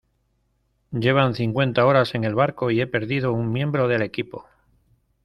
llevan cincuenta horas en el barco y he perdido un miembro del equipo.